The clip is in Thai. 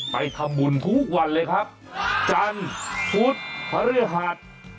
ไปทำบุญทุกวันเลยครับจันทร์พุธพระฤหัส